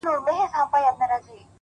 د مسجد په منارو درپسې ژاړم’